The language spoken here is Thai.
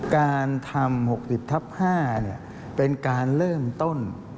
การทำ๖๐ทับ๕เป็นการเริ่มต้น